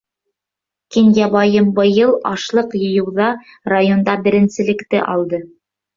Кинйәбайым быйыл ашлыҡ йыйыуҙа районда беренселекте алды.